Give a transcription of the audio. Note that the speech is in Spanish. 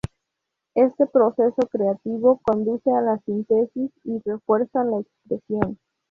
Este proceso creativo conduce a la síntesis y refuerza la expresión.